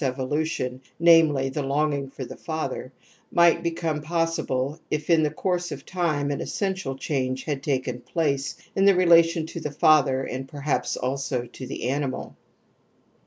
246 TOTEM AND TABOO r a evolution, namely, the longing for the father, might become possible if in the course of time an essential change had taken place in the relation to the father and perhaps also to the animal.